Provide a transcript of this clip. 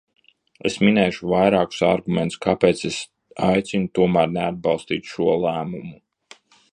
Es minēšu vairākus argumentus, kāpēc es aicinu tomēr neatbalstīt šo lēmumu.